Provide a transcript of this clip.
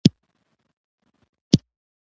د خیر عمل د ایمان نښه ده.